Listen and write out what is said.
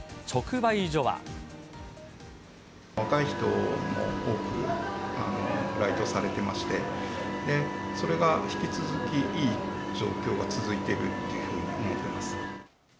若い人も多く来島されてまして、それが引き続きいい状況が続いているというふうに思ってます。